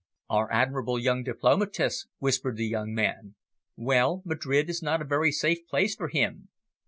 "Our admirable young diplomatist!" whispered the young man. "Well, Madrid is not a very safe place for him."